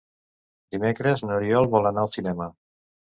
Dimecres n'Oriol vol anar al cinema.